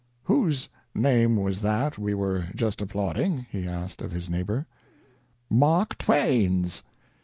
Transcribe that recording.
"Whose name was that we were just applauding?" he asked of his neighbor. "Mark Twain's."